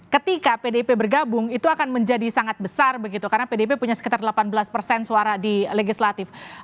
ketika pdip bergabung itu akan menjadi sangat besar begitu karena pdip punya sekitar delapan belas persen suara di legislatif